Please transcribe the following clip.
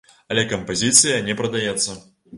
Але кампазіцыя не прадаецца.